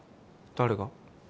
誰が？